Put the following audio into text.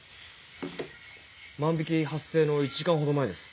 万引発生の１時間ほど前です。